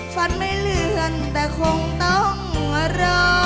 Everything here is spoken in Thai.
ฝันไม่เลื่อนแต่คงต้องรอ